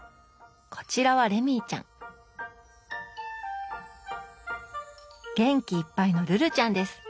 こちらはレミーちゃん元気いっぱいのルルちゃんです。